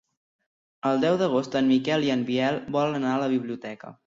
El deu d'agost en Miquel i en Biel volen anar a la biblioteca.